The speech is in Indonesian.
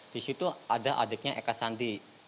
disitu ada adiknya eka sandi